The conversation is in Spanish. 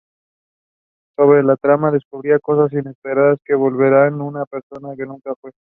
Sobre la trama, descubrirá cosas inesperadas que lo volverán una persona que nunca fue.